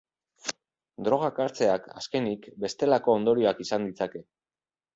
Drogak hartzeak, azkenik, bestelako ondorioak izan ditzake.